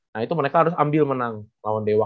nah itu mereka harus ambil menang lawan dewa